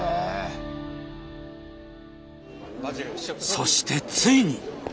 そしてついに！